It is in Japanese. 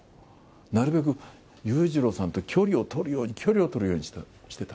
なるべく裕次郎さんと距離を取るように、距離を取るようにしてた。